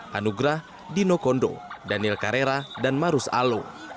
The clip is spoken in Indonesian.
hanugrah dino kondo daniel carera dan marus alo